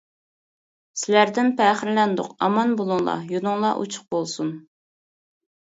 سىلەردىن پەخىرلەندۇق، ئامان بولۇڭلار، يولۇڭلار ئوچۇق بولسۇن!